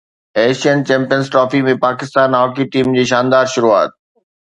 Asian champions trophy ۾ Pakistan hockey team جي شاندار شروعات